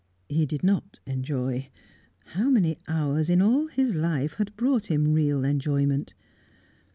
He did not enjoy; how many hours in all his life had brought him real enjoyment?